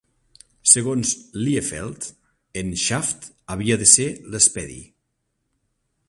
Segons Liefeld, en Shaft havia de ser l'Speedy.